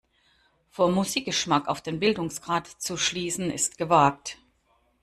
Vom Musikgeschmack auf den Bildungsgrad zu schließen, ist gewagt.